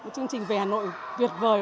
chương trình về hà nội việt vời